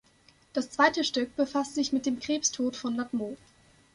Das zweite Stück befasst sich mit dem Krebstod von Ladmo.